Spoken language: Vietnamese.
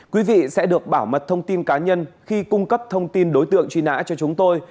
quý vị sẽ được bảo mật thông tin cá nhân khi cung cấp thông tin đối tượng truy nã cho chúng tôi